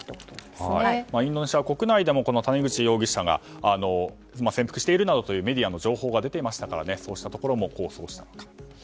インドネシア国内でもこの谷口容疑者が潜伏しているなどのメディアの情報が出ていましたからそうしたところも功を奏したのかと。